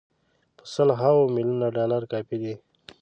په سل هاوو میلیونه ډالر کافي دي.